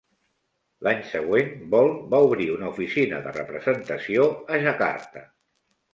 L'any següent, BoI va obrir una oficina de representació a Jakarta.